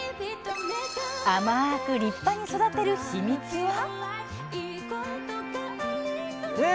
甘く立派に育てるヒミツは？